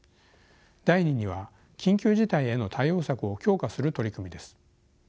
第２には緊急事態への対応策を強化する取り組みです。